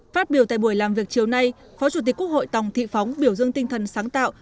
phát biểu tại buổi làm việc chiều nay phó chủ tịch quốc hội tòng thị phóng biểu dương tinh thần sáng tạo